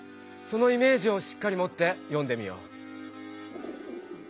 そのイメージをしっかり持って読んでみよう。